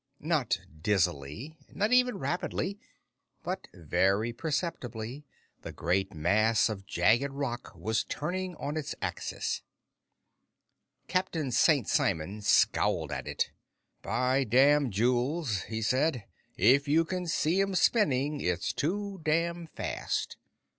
Not dizzily, not even rapidly, but very perceptibly, the great mass of jagged rock was turning on its axis. Captain St. Simon scowled at it. "By damn, Jules," he said, "if you can see 'em spinning, it's too damn fast!"